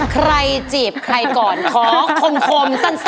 ใครจีบใครก่อนขอข่มสั้น